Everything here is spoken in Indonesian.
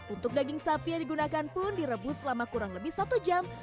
untuk daging sapi yang digunakan pun direbus selama kurang lebih satu jam